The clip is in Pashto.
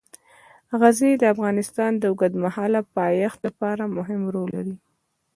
غزني د افغانستان د اوږدمهاله پایښت لپاره مهم رول لري.